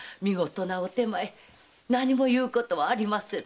何も言うことはありません。